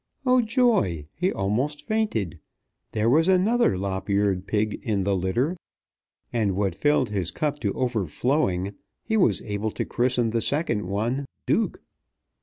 Oh, joy! He almost fainted! There was another lop eared pig in the litter; and, what filled his cup to overflowing, he was able to christen the second one Duke!